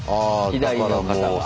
左の方が。